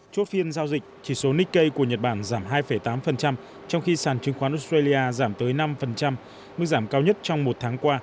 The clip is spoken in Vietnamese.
chốt phiên giao dịch chỉ số nikkei của nhật bản giảm hai tám trong khi sàn chứng khoán australia giảm tới năm mức giảm cao nhất trong một tháng qua